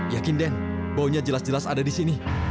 yakin den baunya jelas jelas ada di sini